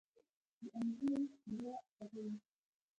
• د انګورو شیره خوږه وي.